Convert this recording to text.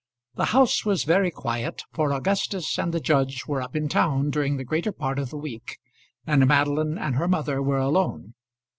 The house was very quiet, for Augustus and the judge were up in town during the greater part of the week, and Madeline and her mother were alone.